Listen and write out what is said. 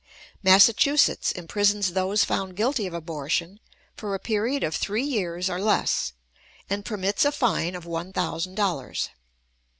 Massachusetts imprisons those found guilty of abortion for a period of three years or less, and permits a fine of one thousand dollars.